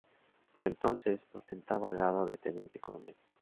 Por entonces ostentaba grado de teniente coronel.